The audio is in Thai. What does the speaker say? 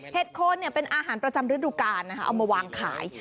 โคนเป็นอาหารประจำฤดูกาลนะคะเอามาวางขาย